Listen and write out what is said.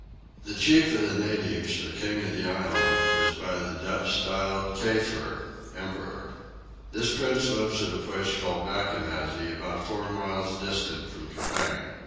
The chief of the natives, or king of the island, is by the Dutch styled Keyfer (Emperor). This prince lives at a place called Backennassy, about four miles distant from Coupang.